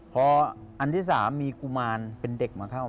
พออันที่๓มีกุมารเป็นเด็กมาเข้ามา